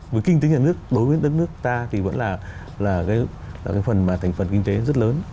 với kinh tế nhà nước đối với đất nước ta thì vẫn là cái phần mà thành phần kinh tế rất lớn